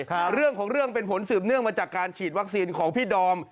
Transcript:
เรื่องของเรื่องเป็นผลสืบเนื่องมาจากการฉีดวัคซีนของพี่ดอม